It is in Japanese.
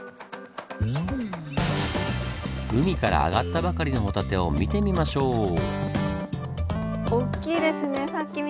海から揚がったばかりのホタテを見てみましょう！